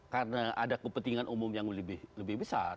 karena ada kepentingan umum yang lebih besar